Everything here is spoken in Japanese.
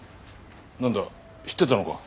なんだ知ってたのか？